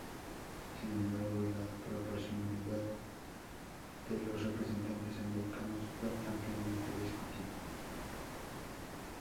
Sin embargo la proporcionalidad de los representantes americanos fue ampliamente discutida.